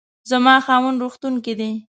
زما خاوند روغتون کې دی